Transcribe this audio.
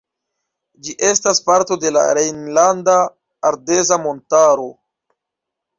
Ĝi estas parto de la Rejnlanda Ardeza Montaro.